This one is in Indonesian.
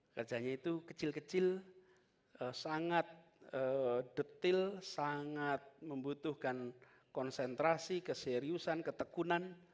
kerjanya itu kecil kecil sangat detail sangat membutuhkan konsentrasi keseriusan ketekunan